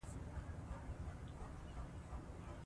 هغه د نوي کال ژمنه وکړه.